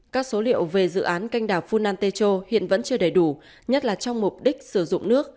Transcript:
các số liệu về dự án canh đảo funan techo hiện vẫn chưa đầy đủ nhất là trong mục đích sử dụng nước